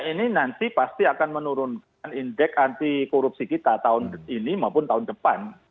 ini nanti pasti akan menurunkan indeks anti korupsi kita tahun ini maupun tahun depan